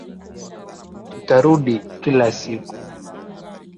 Tutarudi kila siku